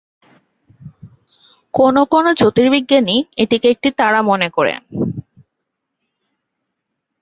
কোনও কোনও জ্যোতির্বিজ্ঞানী এটিকে একটি তারা মনে করেন।